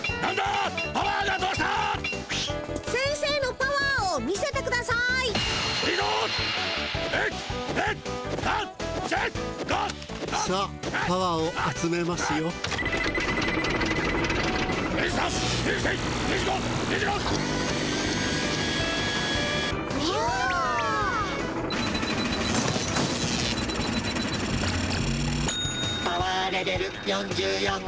「パワーレベル４４」。